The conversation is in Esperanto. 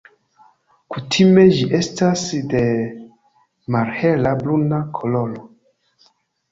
Kutime ĝi estas de malhela bruna koloro.